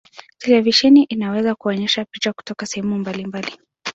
Televisheni inaweza kuonyesha picha kutoka sehemu mbalimbali.